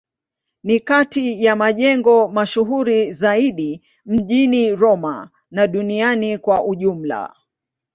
Ni kati ya majengo mashuhuri zaidi mjini Roma na duniani kwa ujumla.